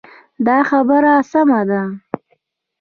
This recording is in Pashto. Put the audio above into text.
دا خبره سمه ده.